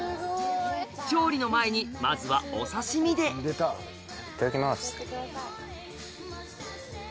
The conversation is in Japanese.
調理の前にまずはお刺身でいただきます。